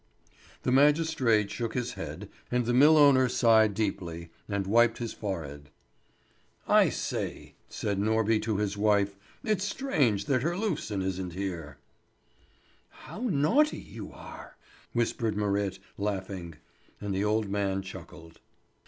The magistrate shook his head, and the mill owner sighed deeply, and wiped his forehead. "I say," said Norby to his wife; "it's strange that Herlufsen isn't here!" "How naughty you are!" whispered Marit, laughing; and the old man chuckled.